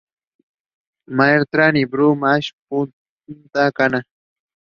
The album concept is that of a comic book.